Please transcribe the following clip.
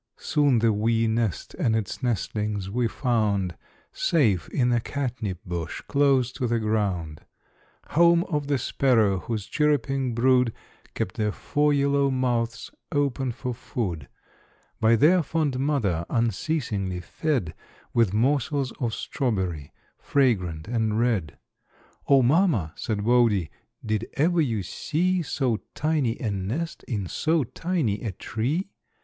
Soon the wee nest and its nestlings we found, Safe in a catnip bush, close to the ground; Home of the sparrow, whose chirruping brood Kept their four yellow mouths open for food; By their fond mother unceasingly fed With morsels of strawberry, fragrant and red. "O, Mamma," said Wodie, "did ever you see So tiny a nest in so tiny a tree?